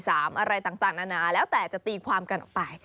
อะไรต่างนานาแล้วแต่จะตีความกันออกไป